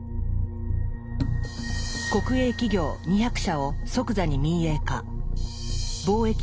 国営企業２００社を即座に民営化。